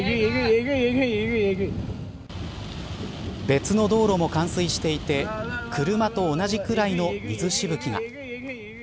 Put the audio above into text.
別の道路も冠水していて車と同じくらいの水しぶきが。